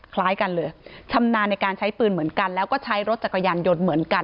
คล้ายกันเลยชำนาญในการใช้ปืนเหมือนกันแล้วก็ใช้รถจักรยานยนต์เหมือนกัน